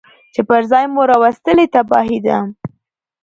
چي پر ځان مو راوستلې تباهي ده